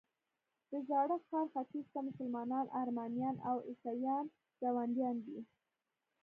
د زاړه ښار ختیځ ته مسلمانان، ارمنیان او عیسویان ګاونډیان دي.